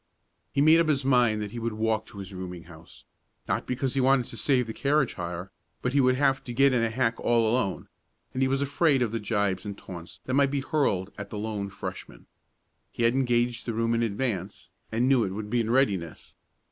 He made up his mind that he would walk to his rooming house, not because he wanted to save the carriage hire, but he would have to get in a hack all alone, and he was afraid of the gibes and taunts that might be hurled at the lone Freshman. He had engaged the room in advance, and knew it would be in readiness.